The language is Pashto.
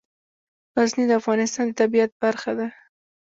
غزني د افغانستان د طبیعت برخه ده.